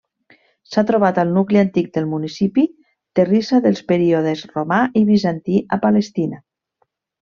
S'ha trobat al nucli antic del municipi terrissa dels períodes romà i bizantí a Palestina.